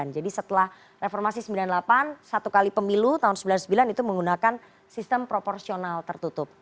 jadi setelah reformasi sembilan puluh delapan satu kali pemilu tahun sembilan puluh sembilan itu menggunakan sistem proporsional tertutup